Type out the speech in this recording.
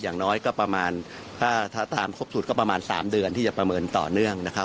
อย่างน้อยก็ประมาณถ้าตามครบสุดก็ประมาณ๓เดือนที่จะประเมินต่อเนื่องนะครับ